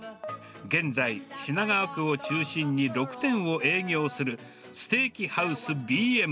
現在、品川区を中心に６店を営業するステーキハウスＢ＆Ｍ。